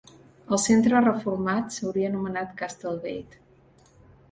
El centre reformat s'hauria anomenat "Castle Gate".